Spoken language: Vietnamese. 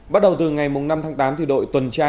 bắt đầu từ ngày năm tháng tám đội tuần tra